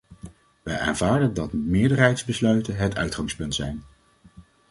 Wij aanvaarden dat meerderheidsbesluiten het uitgangspunt zijn.